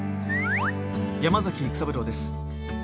山崎育三郎です。